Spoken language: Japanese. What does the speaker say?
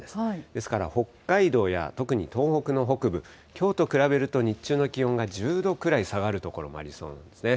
ですから北海道や、特に東北の北部、きょうと比べると日中の気温が１０度くらい下がる所もありそうなんですね。